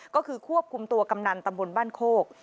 ก็คือควบคุมตัวกำนันตำบลบ้านโคก